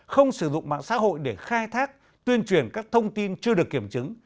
không sử dụng mạng xã hội để khai thác tuyên truyền các thông tin chưa được kiểm chứng